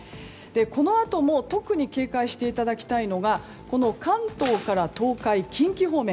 このあとも特に警戒していただきたいのが関東から東海、近畿方面。